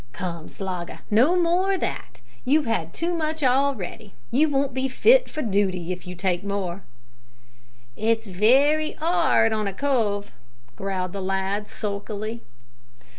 "Come, Slogger; no more o' that. You've 'ad too much already. You won't be fit for dooty if you take more." "It's wery 'ard on a cove," growled the lad, sulkily.